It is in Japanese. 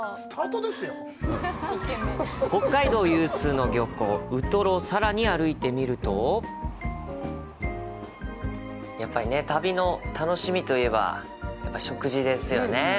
北海道有数の漁港・ウトロをさらに歩いてみるとやっぱりね、旅の楽しみといえば食事ですよね。